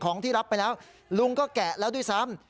ของที่รับไปแล้วลุงก็แกะแล้วด้วยซ้ำ